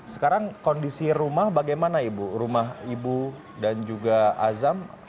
sekarang kondisi rumah bagaimana ibu rumah ibu dan juga azam